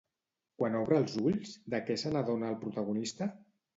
Quan obre els ulls, de què se n'adona el protagonista?